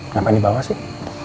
ngapain dibawa sih